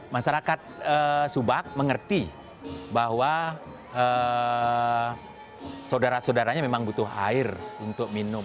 masyarakat subak mengerti bahwa saudara saudaranya memang butuh air untuk minum